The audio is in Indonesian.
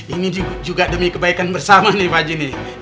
ini juga demi kebaikan bersama nih pak haji nih